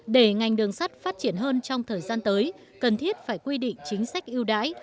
để ngành đường sắt phát triển hơn trong thời gian tới cần thiết phải quy định chính sách ưu đãi